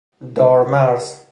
دارمرز